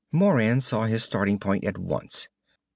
Moran saw his starting point at once.